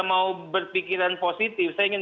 mau berpikiran positif saya ingin